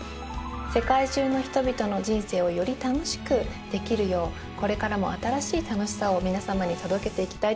世界中の人々の人生をより楽しくできるようこれからも新しい楽しさを皆様に届けていきたいと思っています。